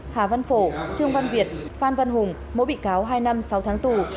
hà văn phổ trương văn việt phan văn hùng mỗi bị cáo hai năm sáu tháng tù